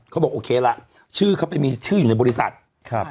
เขาบอกโอเคล่ะชื่อเขาไปมีชื่ออยู่ในบริษัทครับ